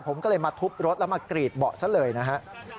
ผมก็เลยมาทุบรถแล้วมากรีดเบาะซะเลยนะฮะ